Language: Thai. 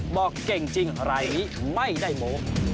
บอกเก่งจริงไรไม่ได้โม